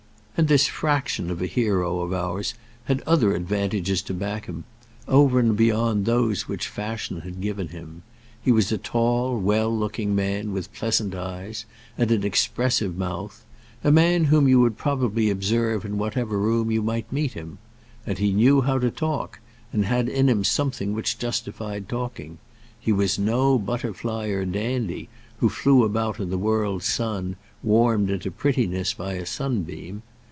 And this fraction of a hero of ours had other advantages to back him, over and beyond those which fashion had given him. He was a tall, well looking man, with pleasant eyes and an expressive mouth, a man whom you would probably observe in whatever room you might meet him. And he knew how to talk, and had in him something which justified talking. He was no butterfly or dandy, who flew about in the world's sun, warmed into prettiness by a sunbeam.